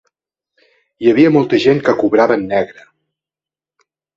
Hi havia molta gent que cobrava en negre.